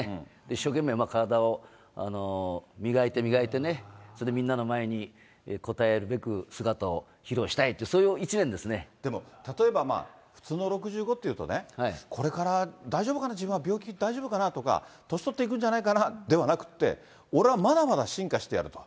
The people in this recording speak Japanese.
一生懸命、体を磨いて磨いてね、それでみんなの前に応えるべく姿を披露したいって、でも、例えば、普通の６５っていうとね、これから大丈夫かな、自分は、病気大丈夫かなとか、年取っていくんじゃないかなではなくって、俺はまだまだ進化してやると。